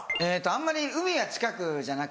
あんまり海は近くじゃなくて。